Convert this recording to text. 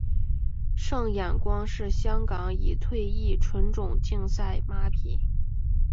胜眼光是香港已退役纯种竞赛马匹。